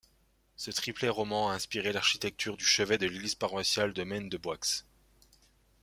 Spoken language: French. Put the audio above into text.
Ce triplet roman a inspiré l'architecture du chevet de l'église paroissiale de Maine-de-Boixe.